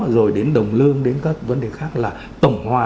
rồi đến đồng lương đến các vấn đề khác là tổng hòa